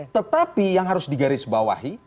tetapi yang harus digaris bawahi